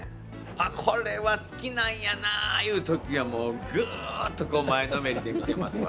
あっ、これは好きなんやないう時は、もう、ぐーっとこう前のめりで見てますわ。